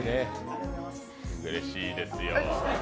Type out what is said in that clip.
うれしいですよ。